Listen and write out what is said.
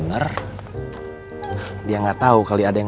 terus tempat bandek